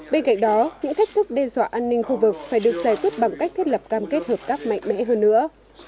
bên cạnh đó những thách thức đe dọa an ninh khu vực phải được giải quyết bằng cách thiết lập cam kết hợp tác mạnh mẽ hơn nữa